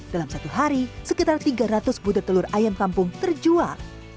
dalam satu hari sekitar tiga ratus buder telur ayam kampung terjual